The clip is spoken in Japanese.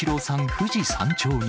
富士山頂に。